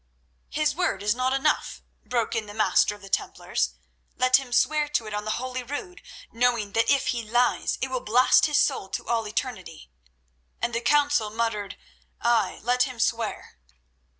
"His word is not enough," broke in the Master of the Templars. "Let him swear to it on the Holy Rood, knowing that if he lies it will blast his soul to all eternity." And the council muttered, "Ay, let him swear."